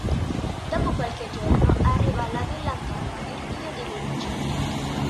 Dopo qualche giorno, arriva alla villa Antonio il figlio di Luigi.